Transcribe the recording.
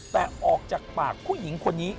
แต่ออกจากปากผู้หญิงคนนี้